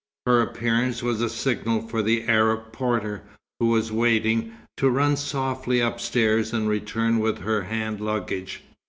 Her appearance was a signal for the Arab porter, who was waiting, to run softly upstairs and return with her hand luggage.